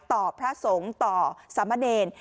พระสงฆ์ต่อสามเณร